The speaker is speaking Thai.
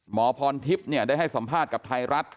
หมอพรทิพย์ได้ให้สัมภาษณ์กับไทยรัฐ